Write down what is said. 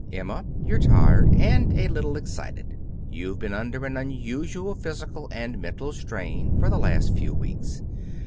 "Emma, you're tired, and a little excited. You've been under an unusual physical and mental strain for the last few weeks.